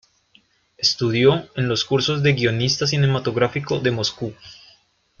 Estudió en los cursos de guionista cinematográfico de Moscú.